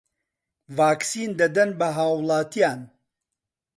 ڤاکسین دەدەن بە هاووڵاتیان